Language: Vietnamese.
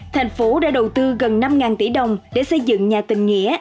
thành phố đã đầu tư gần năm tỷ đồng để xây dựng nhà tình nghĩa